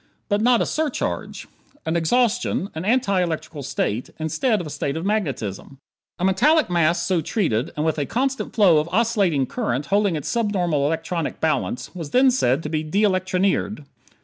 But not a surcharge. An exhaustion. An anti electrical state, instead of a state of magnetism. A metallic mass so treated and with a constant flow of oscillating current holding its subnormal electronic balance was then said to be de electronired.